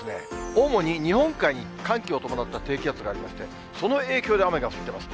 主に日本海に寒気を伴った低気圧がありまして、その影響で雨が降っています。